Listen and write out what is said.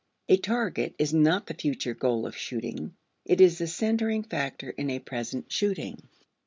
A target is not the future goal of shooting; it is the centering factor in a present shooting.